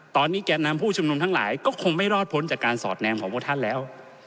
ตอนนี้แก่นำผู้ชุมนุมทั้งหลายก็คงไม่รอดพ้นจากการสอดแนมของพวกท่านแล้ว